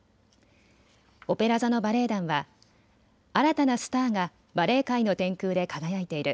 オペラ座のバレエ団は新たなスターがバレエ界の天空で輝いている。